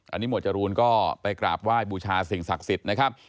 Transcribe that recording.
อันนี้หมวดจรูนก็ไปกราบไหว้บูชาสิ่งศักดิ์สิทธิ์นะครับ